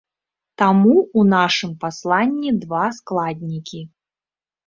Таму ў нашым пасланні два складнікі.